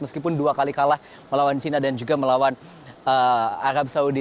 meskipun dua kali kalah melawan china dan juga melawan arab saudi